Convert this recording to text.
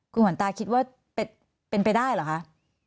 คุณขวัญตาคิดว่าเป็นไปได้เหรอคะ